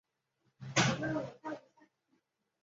建立一套严谨的防灾体系